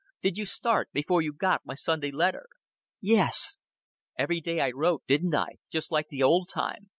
Did you start before you got my Sunday letter?" "Yes." "Every day I wrote didn't I? just like the old time.